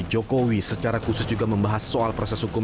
jokowi secara khusus juga membahas soal proses hukum